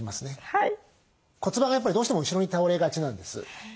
骨盤がやっぱりどうしても後ろに倒れがちなんです。